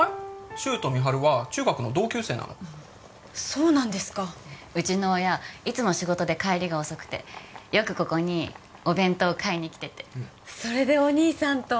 柊と美晴は中学の同級生なのそうなんですかうちの親いつも仕事で帰りが遅くてよくここにお弁当買いに来ててそれでお義兄さんと？